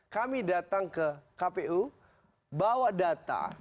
kami datang ke kpu bawa data